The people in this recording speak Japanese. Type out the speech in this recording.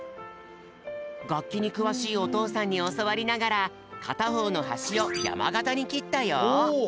がっきにくわしいおとうさんにおそわりながらかたほうのはしをやまがたにきったよ。